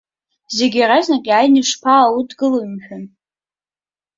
Зегь иаразнак иааины ишԥааудгылои, мшәан.